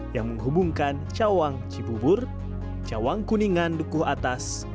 yang menghubungkan cawang cibubur cawang kuningan dukuh atas